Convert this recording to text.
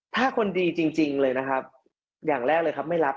ถ้าคนดีจริงเลยอย่างแรกเลยไม่รับ